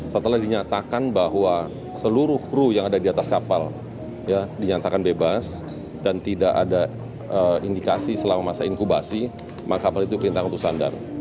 setelah dinyatakan bahwa seluruh kru yang ada di atas kapal dinyatakan bebas dan tidak ada indikasi selama masa inkubasi maka kapal itu diperintahkan untuk sandar